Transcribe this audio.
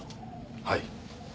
はい。